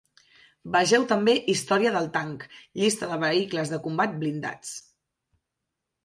Vegeu també Historia del tanc, llista de vehicles de combat blindats.